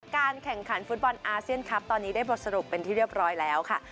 การแข่งขันฟุตบอลอาเซียนคลับตอนนี้ได้บทสรุปเป็นที่เรียบร้อยแล้วค่ะ